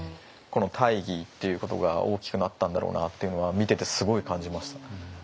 この大義っていうことが大きくなったんだろうなっていうのは見ててすごい感じました。